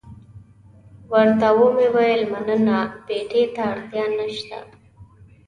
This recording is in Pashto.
ورته ومې ویل مننه، پېټي ته اړتیا نشته.